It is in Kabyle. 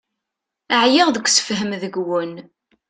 Ɛyiɣ deg usefhem deg-wen.